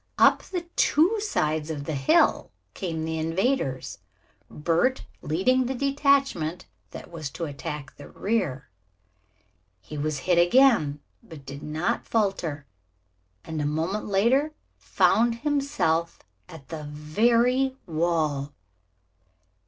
Up the two sides of the hill came the invaders, Bert leading the detachment that was to attack the rear. He was hit again, but did not falter, and a moment later found himself at the very wall.